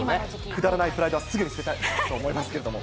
くだらないプライドはすぐに捨てたいと思いますけれども。